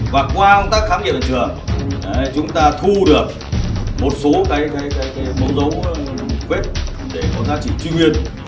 và qua công tác khám nghiệm trường chúng ta thu được một số cái mẫu dấu quét để có giá trị truy nguyên